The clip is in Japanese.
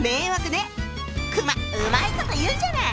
熊うまいこと言うじゃない！